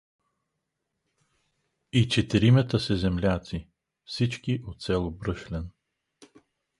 И четиримата са земляци — всички от село Брешлян.